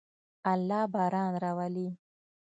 الله باران راولي.